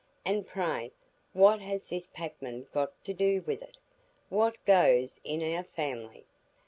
And pray, what has this packman got to do wi' what goes on in our family?